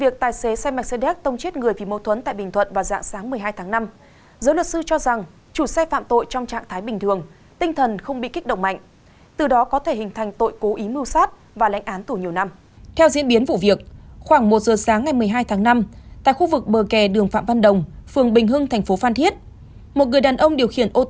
các bạn hãy đăng ký kênh để ủng hộ kênh của chúng mình nhé